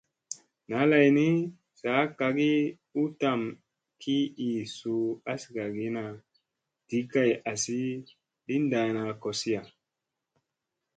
ɴaa lay ni sa kagi u tam ki ii suu azagani ɗi kay azi li ndaana koziya.